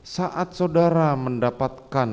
saat saudara mendapatkan